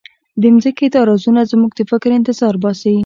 د ځمکې دا رازونه زموږ د فکر انتظار باسي.